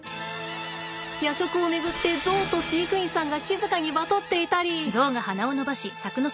夜食を巡ってゾウと飼育員さんが静かにバトっていたり。